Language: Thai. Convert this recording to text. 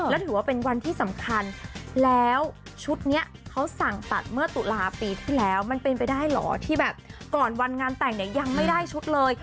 แล้วถือว่าเป็นวันที่สำคัญแล้วชุดนี้เขาสั่งตัดเมื่อตุลาปีที่แล้วมันเป็นไปได้เหรอที่แบบก่อนวันงานแต่งเนี่ยยังไม่ได้ชุดเลย